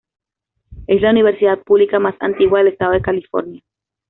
Es la universidad pública más antigua del estado de California.